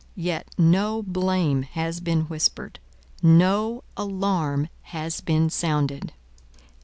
Yet no blame has been whispered; no alarm has been sounded.